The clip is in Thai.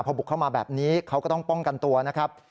พอบุกเข้ามาแบบนี้เขาก็ต้องป้องกันตัวนะครับ